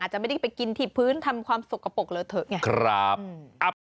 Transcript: จะไม่ได้ไปกินที่พื้นทำความสกปรกเหลือเถอะไง